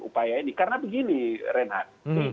upaya ini karena begini reinhardt